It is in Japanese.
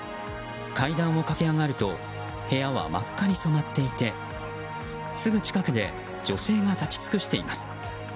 階段を駆け上がると部屋は真っ赤に染まっていてすぐ近くで女性が立ち尽くしています。